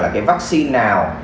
là cái vaccine nào